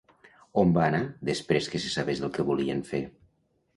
On van anar després que se sabés el que volien fer?